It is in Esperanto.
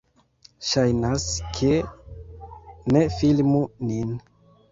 Ŝajnas, ke... - Ne filmu nin!